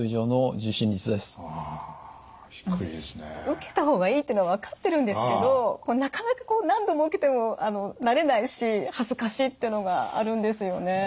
受けた方がいいっていうのは分かってるんですけどなかなかこう何度も受けても慣れないし恥ずかしいっていうのがあるんですよね。